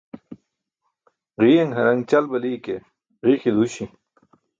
Ġiiyaṅ haraṅ ćal bali ke ġiiki duuśi